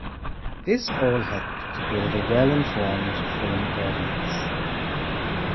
This all helped to build a well informed film audience.